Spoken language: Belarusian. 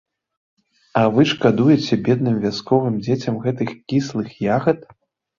А вы шкадуеце бедным вясковым дзецям гэтых кіслых ягад.